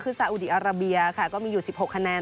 คือซาอุดีอาราเบียค่ะก็มีอยู่๑๖คะแนน